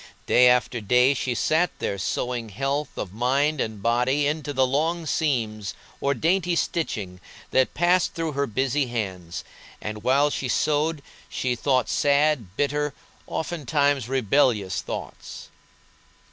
Day after day she sat there sewing health of mind and body into the long seams or dainty stitching that passed through her busy hands, and while she sewed she thought sad, bitter, oftentimes rebellious thoughts.